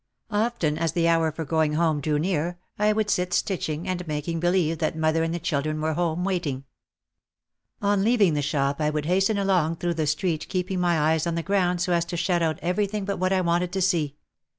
Often as the hour for going home drew near I would sit stitch ing and making believe that mother and the children were ii4 OUT OF THE SHADOW home waiting. On leaving the shop I would hasten along through the street keeping my eyes on the ground so as to shut out everything but what I wanted to see.